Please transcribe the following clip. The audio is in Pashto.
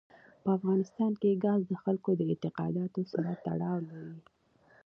په افغانستان کې ګاز د خلکو د اعتقاداتو سره تړاو لري.